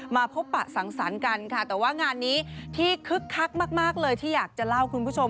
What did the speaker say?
มาพบปะสังสรรค์กันค่ะแต่ว่างานนี้ที่คึกคักมากเลยที่อยากจะเล่าคุณผู้ชม